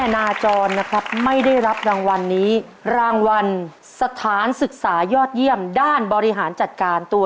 ถ้าถูกข้อนี้๑แสนบาทนะครับ